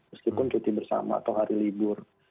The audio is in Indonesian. meskipun cuti bersama atau hari libur